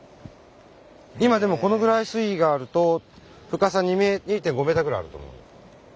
今でもこのぐらい水位があると深さ２．５メーターぐらいあると思う。